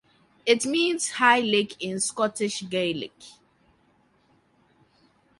It means "high lake" in Scottish Gaelic.